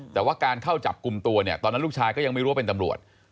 แต่ว่าการเข้าจับกลุ่มตัวเนี่ยตอนนั้นลูกชายก็ยังไม่รู้ว่าเป็นตำรวจ